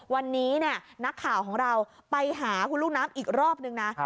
วันนี้นักข่าวของเราไปหาคุณลูกน้ำอีกรอบนึงนะ